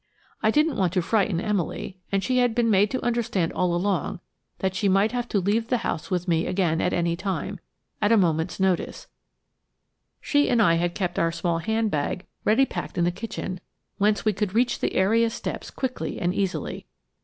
I didn't want to frighten Emily, and she had been made to understand all along that she might have to leave the house with me again at any time, at a moment's notice; she and I had kept our small handbag ready packed in the kitchen, whence we could reach the area steps quickly and easily.